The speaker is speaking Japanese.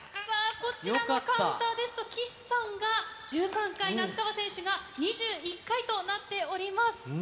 こちらのカウンターですと、岸さんが１３回、那須川選手が２１回となっております。